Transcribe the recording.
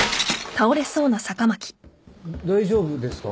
大丈夫ですか？